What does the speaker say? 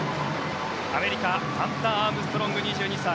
アメリカハンター・アームストロング２２歳。